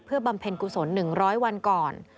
บำเพ็ญกุศล๑๐๐วันก่อน